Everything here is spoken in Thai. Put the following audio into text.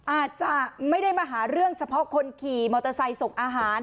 อาจจะไม่ได้มาหาเรื่องเฉพาะคนขี่มอเตอร์ไซค์ส่งอาหาร